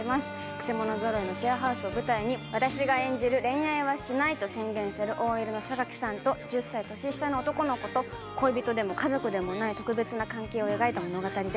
くせ者ぞろいのシェアハウスを舞台に私が演じる「恋愛はしない」と宣言するＯＬのさんと１０歳年下の男の子と恋人でも家族でもない特別な関係を描いた物語です。